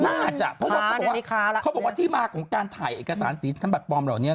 น่าจะเพราะว่าเขาบอกว่าที่มากของการถ่ายเอกสารศีรษฐ์ขั้นบัตรปลอมเหล่านี้